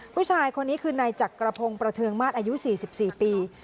ผู้ชายคนนี้คือในจักรพงศ์ประเทิงมาตรอายุสี่สิบสี่ปี